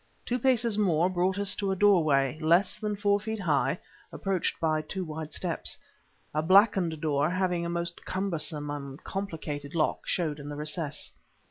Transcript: Two paces more brought us to a doorway, less, than four feet high, approached by two wide steps. A blackened door, having a most cumbersome and complicated lock, showed in the recess.